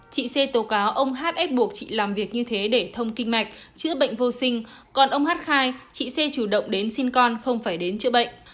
trị xê tố cáo ông hát ép buộc chị làm việc như thế để thông kinh mạch chữa bệnh vô sinh còn ông hát khai trị xê chủ động đến xin con không phải đến chữa bệnh